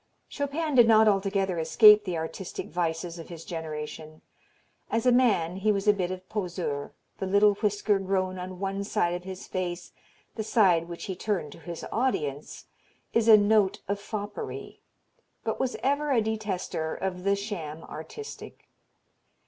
Chopin did not altogether escape the artistic vices of his generation. As a man he was a bit of poseur the little whisker grown on one side of his face, the side which he turned to his audience, is a note of foppery but was ever a detester of the sham artistic.